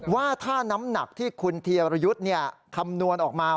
ว่าถ้าน้ำหนักที่คุณเทียรยุทธ์คำนวณออกมา